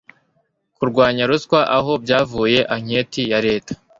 kurwanya ruswa aho byavuye anketi ya reta